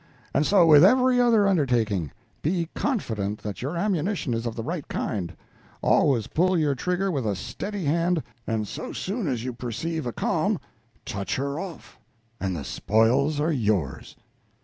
And so with every other undertaking. Be confident that your ammunition is of the right kind always pull your trigger with a steady hand, and so soon as you perceive a calm, touch her off, and the spoils are yours."